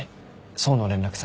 想の連絡先。